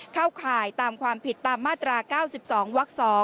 ข่ายตามความผิดตามมาตรา๙๒วัก๒